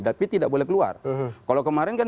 tapi tidak boleh keluar kalau kemarin kan